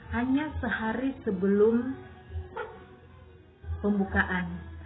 hanya sehari sebelum pembukaan